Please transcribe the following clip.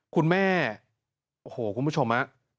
คุณแม่โอ้โหคุณผู้ชมฮะ